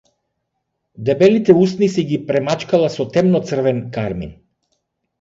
Дебелите усни си ги премачкала со темно-црвен кармин.